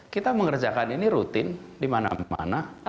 kita mengerjakan ini rutin di mana mana